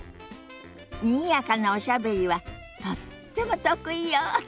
にぎやかなおしゃべりはとっても得意よ！